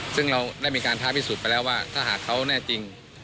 ซึ่งเราได้มีการท้าพิสูจน์ไปแล้วว่าถ้าหากเขาแน่จริง